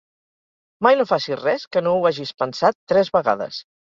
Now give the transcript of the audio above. Mai no facis res que no ho hagis pensat tres vegades.